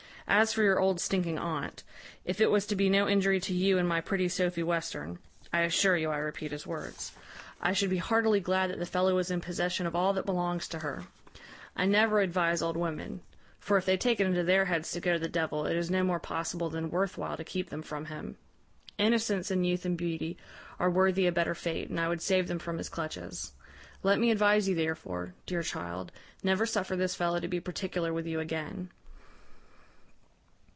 As for your old stinking aunt, if it was to be no injury to you and my pretty Sophy Western (I assure you I repeat his words), I should be heartily glad that the fellow was in possession of all that belongs to her. I never advise old women: for, if they take it into their heads to go to the devil, it is no more possible than worth while to keep them from him. Innocence and youth and beauty are worthy a better fate, and I would save them from his clutches. Let me advise you therefore, dear child, never suffer this fellow to be particular with you again.'